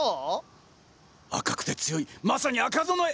赤くて強いまさに赤備え！